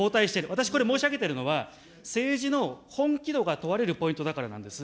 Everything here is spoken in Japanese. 私、これ申し上げてるのは、政治の本気度が問われるポイントだからなんです。